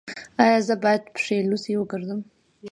ایا زه باید پښې لوڅې وګرځم؟